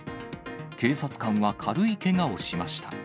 警察官は軽いけがをしました。